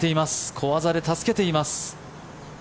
小技で助けています。